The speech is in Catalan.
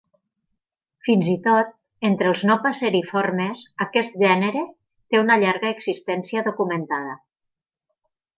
Fins i tot entre els no passeriformes, aquest gènere té una llarga existència documentada.